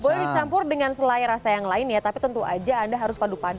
boleh dicampur dengan selai rasa yang lain ya tapi tentu aja anda harus padu padu